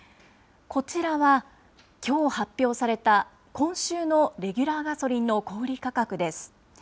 こちらは、きょう発表された今週のレギュラーガソリンの小売り価格です。